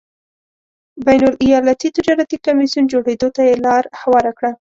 بین الایالتي تجارتي کمېسیون جوړېدو ته یې لار هواره کړه.